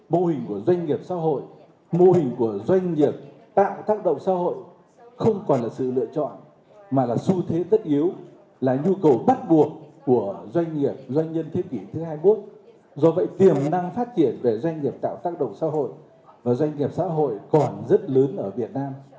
doanh nghiệp doanh nhân thiết kỷ thứ hai mươi một do vậy tiềm năng phát triển về doanh nghiệp tạo tác động xã hội và doanh nghiệp xã hội còn rất lớn ở việt nam